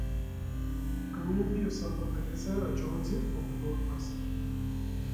The community of Santa Teresa adjoins it on the northwest.